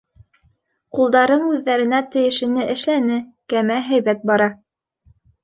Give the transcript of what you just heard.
Ҡулдарым үҙҙәренә тейешлене эшләне, кәмә һәйбәт бара.